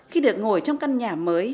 khi được ngồi trong căn nhà mới